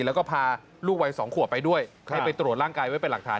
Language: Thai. แล้วก็พาลูกวัย๒ขวบไปด้วยให้ไปตรวจร่างกายไว้เป็นหลักฐาน